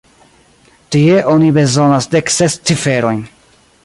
Tie, oni bezonas dek ses ciferojn.